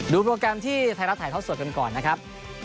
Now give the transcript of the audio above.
โปรแกรมที่ไทยรัฐถ่ายทอดสดกันก่อนนะครับ